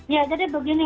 ya jadi begini